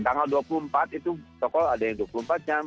tanggal dua puluh empat itu toko ada yang dua puluh empat jam